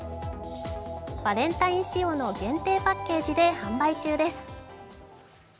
バレンタイン仕様の限定パッケージで販売中です。